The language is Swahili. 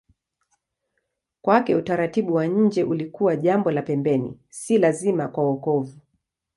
Kwake utaratibu wa nje ulikuwa jambo la pembeni, si lazima kwa wokovu.